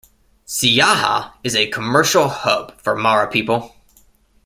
Siaha is a commercial hub for Mara people.